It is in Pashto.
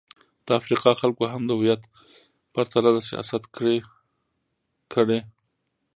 د افریقا خلکو هم د هویت پر تله د سیاست کړې.